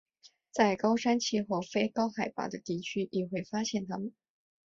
在高山气候非高海拔的地区亦会发现它们。